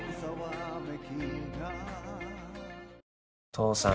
父さん